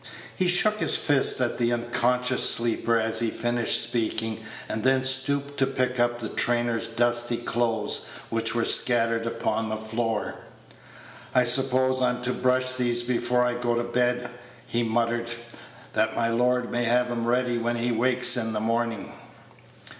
He shook his fist at the unconscious sleeper as he finished speaking, and then stooped to pick up the trainer's dusty clothes, which were scattered upon the floor. "I suppose I'm to brush these before I go to bed," he muttered, "that my lord may have 'em ready when he wakes in th' morning."